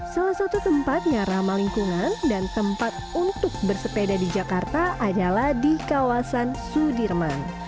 salah satu tempat yang ramah lingkungan dan tempat untuk bersepeda di jakarta adalah di kawasan sudirman